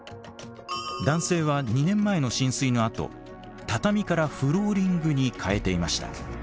男性は２年前の浸水のあと畳からフローリングに替えていました。